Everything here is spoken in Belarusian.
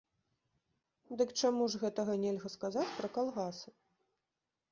Дык чаму ж гэтага нельга сказаць пра калгасы?